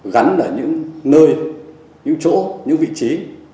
gắn ở những nơi những chỗ những vị trí